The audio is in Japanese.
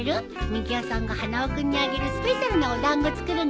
みぎわさんが花輪君にあげるスペシャルなお団子作るんだって。